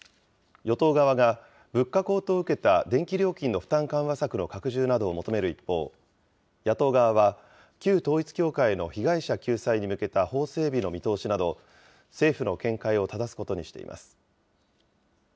与党側が、物価高騰を受けた電気料金の負担緩和策の拡充などを求める一方、野党側は、旧統一教会の被害者救済に向けた法整備の見通しなど、政府の見解をただすことにしています。